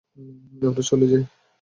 আমরা চলে যাই।